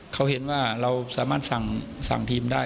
เขาเห็นว่าเราสามารถสั่งทีมได้